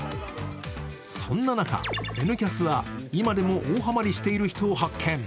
そんな中、「Ｎキャス」は今でも大ハマりしている人を発見。